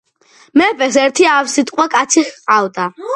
მეფეს ერთი ავსიტყვა კაცი ჰყავდა